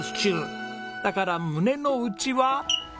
だから胸の内は。